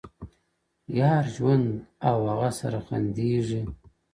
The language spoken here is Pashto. يار ژوند او هغه سره خنـديږي’